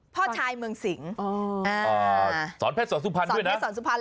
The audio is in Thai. พ่อชายเมืองสิงอ่าอ่าสอนเพชรสอนสุพรรณด้วยนะ